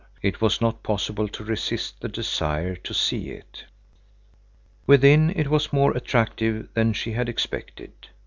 It was not possible to resist the desire to see it. Within it was more attractive than she had expected.